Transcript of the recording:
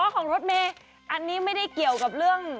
ของรถเมย์อันนี้ไม่ได้เกี่ยวกับเรื่อง